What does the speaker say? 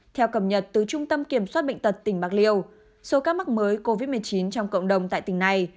theo cập nhật từ trung tâm kiểm soát bệnh tật tỉnh bạc liêu số ca mắc mới covid một mươi chín trong cộng đồng tại tỉnh này